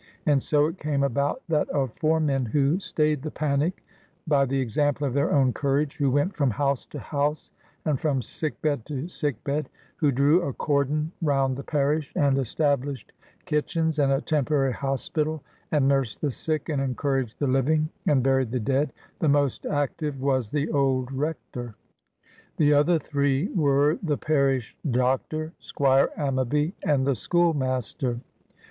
And so it came about that of four men who stayed the panic, by the example of their own courage, who went from house to house, and from sick bed to sick bed—who drew a cordon round the parish, and established kitchens and a temporary hospital, and nursed the sick, and encouraged the living, and buried the dead,—the most active was the old Rector. The other three were the parish doctor, Squire Ammaby, and the schoolmaster.